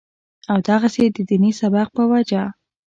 او دغسې د ديني سبق پۀ وجه